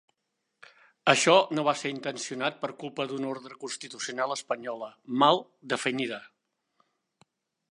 Això no va ser intencionat per culpa d'una ordre constitucional espanyola mal definida.